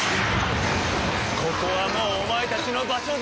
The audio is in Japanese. ここはもうお前たちの場所ではない！